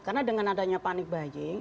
karena dengan adanya panic buying